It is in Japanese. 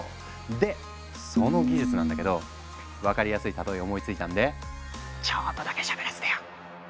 でその技術なんだけど分かりやすい例え思いついたんでちょっとだけしゃべらせてよ。